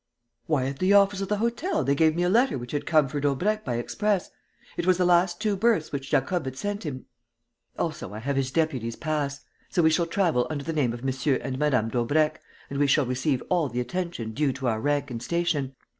"Why, at the office of the hotel they gave me a letter which had come for Daubrecq by express. It was the two berths which Jacob had sent him. Also, I have his deputy's pass. So we shall travel under the name of M. and Mme. Daubrecq and we shall receive all the attention due to our rank and station.